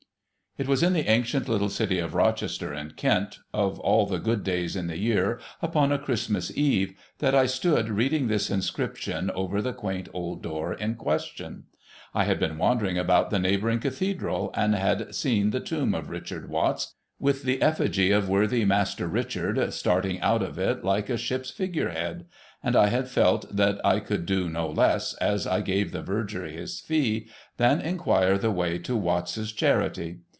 It was in the ancient litde city of Rochester in Kent, of all the good days in the year upon a Christmas eve, that I stood reading this inscription over the quaint old door in question. I had been wandering about the neighbouring Cathedral, and had seen the tomb of Richard Watts, with the effigy of worthy Master Richard starting out of it like a ship's figure head; and I had felt that I could do no less, as I gave the Verger his fee, than inquire the way to Watts's Charity.